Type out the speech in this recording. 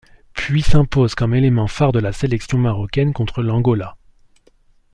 Puis s'impose comme élément phare de la sélection marocaine contre l'Angola.